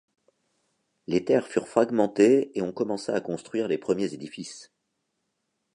Les terres furent fragmentées et on commença à construire les premiers édifices.